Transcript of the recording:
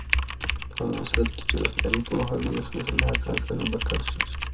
په هغه صورت کې چې روغتیایي پوهاوی وي، خطرناک عادتونه به کم شي.